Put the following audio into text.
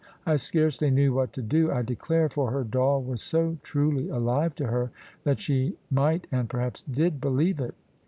I scarcely knew what to do, I declare; for her doll was so truly alive to her, that she might and perhaps did believe it.